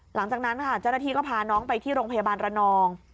หลังจากนั้นค่ะเจ้าหน้าที่ก็พาน้องไปที่โรงพยาบาลระนอง